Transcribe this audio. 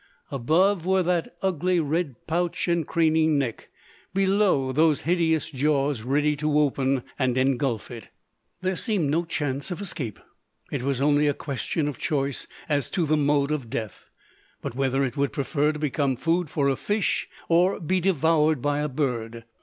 Above were that ugly red pouch and craning neck; below, those hideous jaws, ready to open and engulf it. There seemed no chance of escape. It was only a question of choice as to the mode of death: whether it would prefer to become food for a fish, or be devoured by a bird.